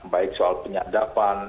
baik soal penyadapan